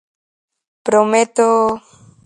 Prometo...